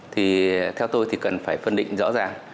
thì theo tôi thì cần phải phân định rõ ràng